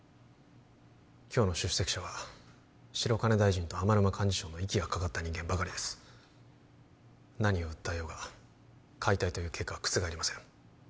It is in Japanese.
今日の出席者は白金大臣と天沼幹事長の息がかかった人間ばかりです何を訴えようが解体という結果は覆りません